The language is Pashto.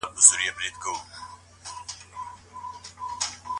ایا تېرو جګړو زموږ باورونه زیانمن کړي دي؟